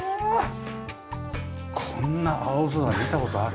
こんな青空見た事ある？